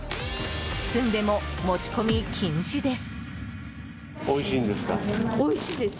スンデも持ち込み禁止です。